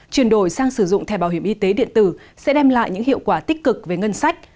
chuyển đổi sang sử dụng thẻ bảo hiểm y tế điện tử sẽ đem lại những hiệu quả tích cực về ngân sách